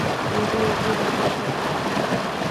এটি একটি ধর্মনিরপেক্ষ মতবাদ।